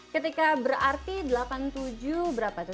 ketika berarti delapan puluh tujuh berapa tuh